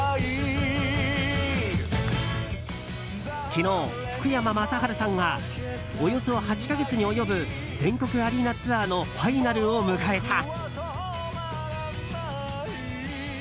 昨日、福山雅治さんがおよそ８か月に及ぶ全国アリーナツアーのファイナルを迎えた。